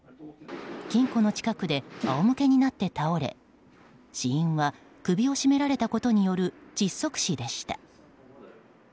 金庫の近くで仰向けになって倒れ死因は首を絞められたことによる窒息死でした。